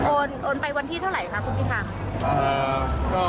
โอนไปวันที่เท่าไหร่คะคุณพิธา